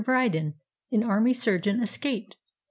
Brydon, an army surgeon, escaped.